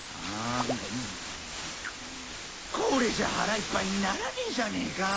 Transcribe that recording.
これじゃあ腹いっぱいにならねえじゃねえか。